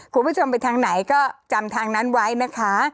คุณผู้ชมไปทางไหนก็จำทางนั้นไว้นะคะ